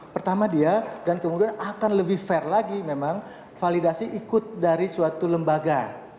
pertama dia dan kemudian akan lebih fair lagi memang validasi ikut dari suatu lembaga